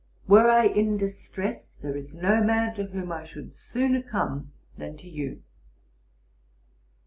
Were I in distress, there is no man to whom I should sooner come than to you.